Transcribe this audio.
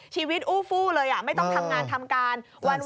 อู้ฟู้เลยไม่ต้องทำงานทำการ